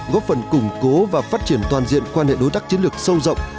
góp phần củng cố và phát triển toàn diện quan hệ đối tác chiến lược sâu rộng